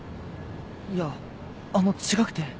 いやあの違くて。